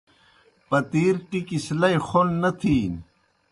پَتِیر ٹِکیْ سہ لئی خوْن نہ تِھینیْ۔